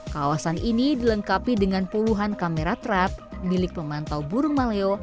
kawasan ini dilengkapi dengan puluhan kamera trap milik pemantau burung maleo